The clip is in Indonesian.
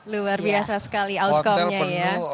luar biasa sekali outcome nya ya